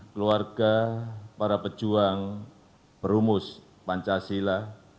keluarga para pejuang perumus pancasila